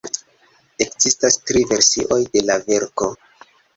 Ekzistas tri versioj de la verko.